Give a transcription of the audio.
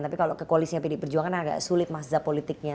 tapi kalau ke koalisinya pd perjuangan agak sulit mas zah politiknya